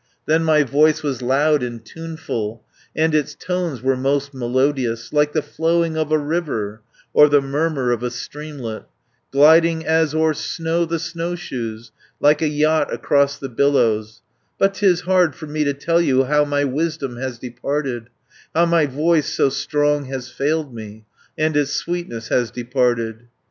"Then my voice was loud and tuneful, And its tones were most melodious, Like the flowing of a river, Or the murmur of a streamlet, 340 Gliding as o'er snow the snowshoes, Like a yacht across the billows; But 'tis hard for me to tell you How my wisdom has departed, How my voice so strong has failed me, And its sweetness has departed.